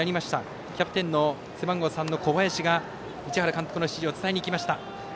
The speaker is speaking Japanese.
キャプテンの背番号３の小林が市原監督の指示を伝えに行きました。